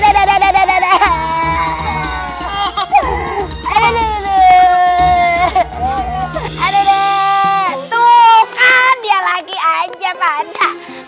ada ada hehehe hehehe hehehe hehehe tuh kan dia lagi aja pada